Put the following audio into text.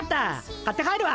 買って帰るわ。